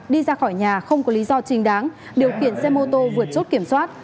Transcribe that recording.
đi ra khỏi nhà không có lý do chính đáng điều khiển xe mô tô vượt chốt kiểm soát